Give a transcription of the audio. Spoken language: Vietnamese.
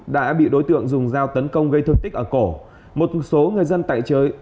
đã bị đối tượng dùng dao tấn công gây thương tích ở cổ một số người dân tại chơi